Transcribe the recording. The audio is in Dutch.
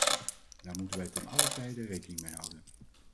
Daar moeten wij te allen tijde rekening mee houden.